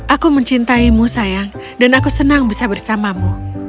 aku mencintaimu sayang dan aku senang bisa bersamamu